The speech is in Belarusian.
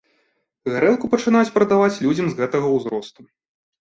Гарэлку пачынаюць прадаваць людзям з гэтага ўзросту.